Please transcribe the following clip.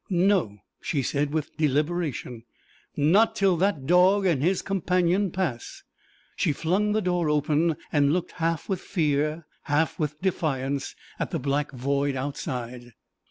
'No,' she said, with deliberation, 'not till that dog and his companion pass.' She flung the door open, and looked half with fear, half with defiance, at the black void outside.